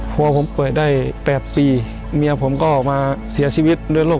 พ่อผมเปิดได้๘ปี